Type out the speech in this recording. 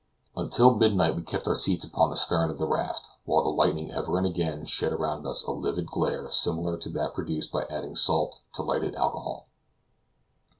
Until midnight we kept our seats upon the stern of the raft, while the lightning ever and again shed around us a livid glare similar to that produced by adding salt to lighted alcohol.